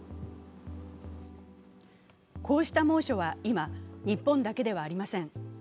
こうした猛暑は今、日本だけではありません。